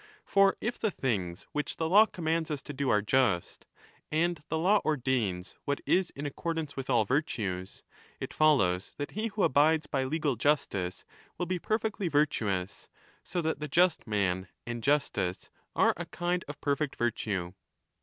For if the things which the law commands us to do are just, and the law ordains what is in accordance with all virtues, it follows that he who abides by legal justice will be perfectly virtuous, so that the just man and justice are a kind of 10 perfect virtue.